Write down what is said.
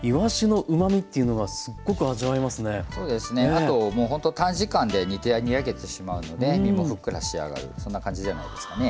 あともうほんと短時間で煮上げてしまうので身もふっくら仕上がるそんな感じじゃないですかね。